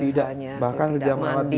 tidak bahkan tidak merawat diri